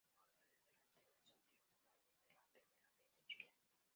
Juega de delantero en Santiago Morning de la Primera B de Chile.